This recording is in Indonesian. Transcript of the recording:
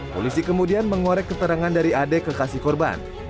polisi kemudian mengorek keterangan dari ade kekasih korban